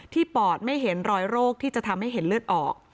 ปอดไม่เห็นรอยโรคที่จะทำให้เห็นเลือดออก